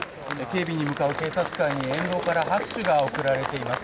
警備に向かう警察官に沿道から拍手が送られています。